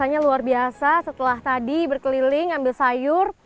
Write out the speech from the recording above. rasanya luar biasa setelah tadi berkeliling ambil sayur